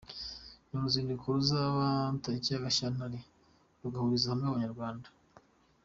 Ni uruzinduko ruzaba tariki ya Gashyantare. rugahuriza hamwe abanyarwanda.